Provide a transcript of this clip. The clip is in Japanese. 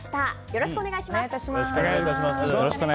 よろしくお願いします。